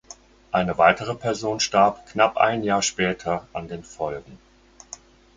Eine weitere Person starb knapp ein Jahr später an den Folgen.